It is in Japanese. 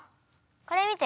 これ見て。